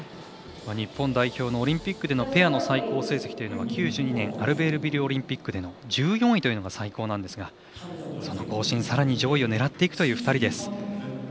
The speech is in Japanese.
日本代表のオリンピックのペアの最高成績というのは９２年アルベールビルオリンピックでの１４位というのが最高なんですがその更新、さらに上位を狙っていくという２人です。